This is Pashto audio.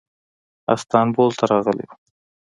استانبول ته راغلی و.